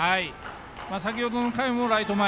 先程の回も、ライト前。